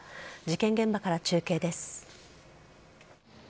事件現場から中継です。